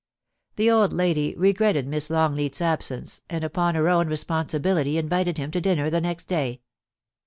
The old lady regretted Miss Long leat's absence, and upon her own responsibility invited him to dinner the next day.